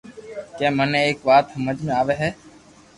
ڪي مني ايڪ وات ھمج ۾ آوي ھي